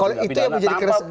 kalau itu yang menjadi keres